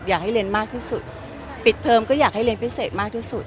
อยากให้เรียนมากที่สุดปิดเทอมก็อยากให้เรียนพิเศษมากที่สุด